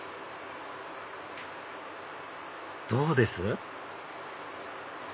どうです？